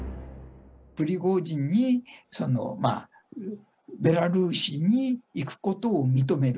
プリゴジンにベラルーシに行くことを認める。